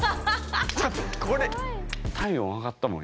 ちょっとこれ体温上がったもん